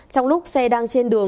trong lúc xe đang trên đường